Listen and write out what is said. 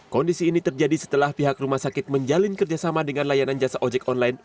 kondisi ini terjadi setelah pihak rumah sakit menjalin kerjasama dengan layanan jasa ojek online